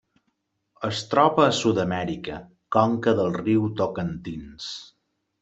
Es troba a Sud-amèrica: conca del riu Tocantins.